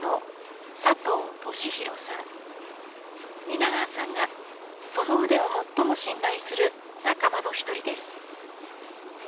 皆川さんがその腕を最も信頼する仲間の一人です。